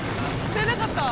吸えなかった？